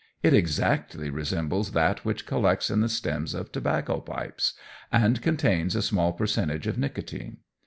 It exactly resembles that which collects in the stems of tobacco pipes, and contains a small percentage of nicotine.